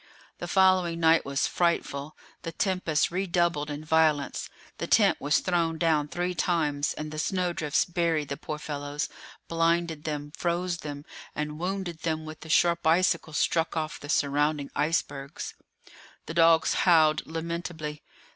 The following night was frightful; the tempest redoubled in violence; the tent was thrown down three times, and the snowdrifts buried the poor fellows, blinded them, froze them, and wounded them with the sharp icicles struck off the surrounding icebergs. The dogs howled lamentably.